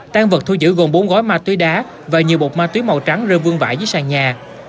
tăng vật thu giữ gồm bốn gói ma túy đá và nhiều bột ma túy màu trắng rơ vương vải dưới sàn nhà